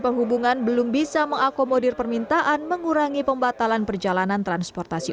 perhubungan belum bisa mengakomodir permintaan mengurangi pembatalan perjalanan transportasi